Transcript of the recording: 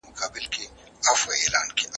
بیا مې زړه راټول کړ.